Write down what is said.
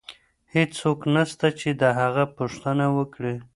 هيڅ څوک نسته چي د هغه پوښتنه وکړي.